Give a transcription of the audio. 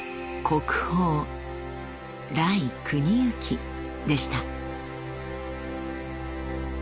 国宝来国行でした。